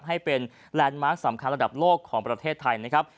ให้เป็นสำคัญระดับโลกของประเทศไทยนะครับ